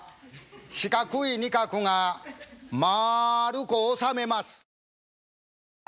四角い仁鶴がまるくおさめます。